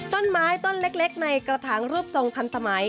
ต้นไม้ต้นเล็กในกระถางรูปทรงทันสมัย